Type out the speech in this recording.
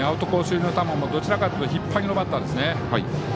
寄りの球もどちらかというと引っ張りのバッターですね。